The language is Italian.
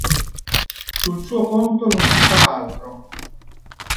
Sul suo conto non si sa altro.